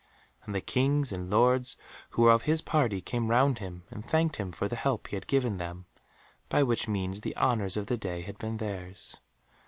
And the Kings and Lords who were of his party came round him and thanked him for the help he had given them, by which means the honours of the day had been theirs.